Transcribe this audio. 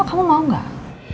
kamu mau gak